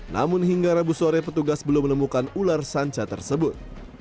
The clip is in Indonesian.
namun hingga rabu sore petugas belum menemukan ular sanca tersebut